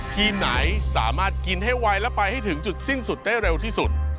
ทีมไหนสามารถกินให้ไวและไปให้ถึงจุดสิ้นสุดได้เร็วที่สุด